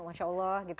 masya allah gitu